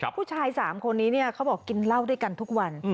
ผู้ชาย๓คนนี้เขาบอกกินเหล้าด้วยกันทุกวัน